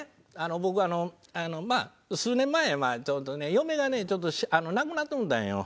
僕まあ数年前ちょうどね嫁がねちょっと亡くなってもうたんよ。